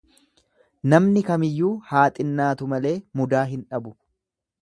Namni kamiyyuu haa xinnaatu malee mudaa hin dhabu.